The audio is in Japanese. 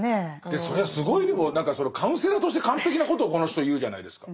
それはすごいでも何かそのカウンセラーとして完璧なことをこの人言うじゃないですか。